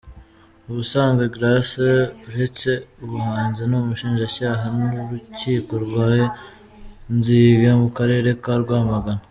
Ubusanzwe Grace, uretse ubuhanzi ni umushinjacyaha mu Rukiko rwa Nzige mu karere ka Rwamagana.